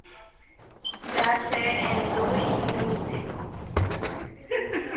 ndacherendúinteniko